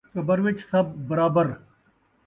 قبر وِچ سب برابر